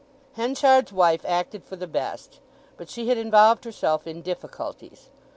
Henchard's wife acted for the best, but she had involved herself in difficulties.